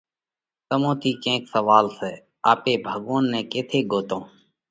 تمون ٿِي ڪينڪ سوئال سئہ؟ آپي ڀڳوونَ نئہ ڪيٿئہ ڳوتونه؟